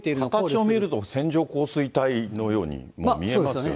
形を見ると線状降水帯のように見えますよね。